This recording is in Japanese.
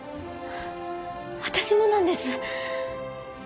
私もなんです。